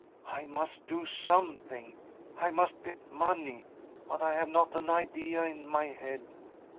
I must do something; I must get money, but I have not an idea in my head.